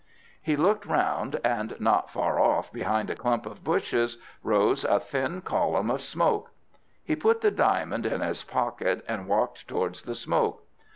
He looked round, and not far off, behind a clump of bushes, rose a thin column of smoke. He put the diamond in his pocket, and walked towards the smoke.